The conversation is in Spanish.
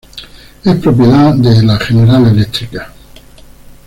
Es propiedad de la General Electric.